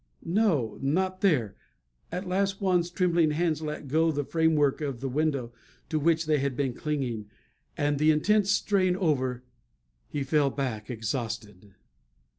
No not there! At last Juan's trembling hands let go the framework of the window to which they had been clinging; and, the intense strain over, he fell back exhausted.